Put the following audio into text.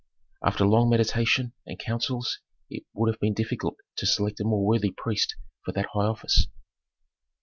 After long meditation and counsels it would have been difficult to select a more worthy priest for that high office.